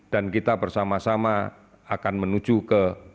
dan kita bersama sama akan menuju ke masyarakat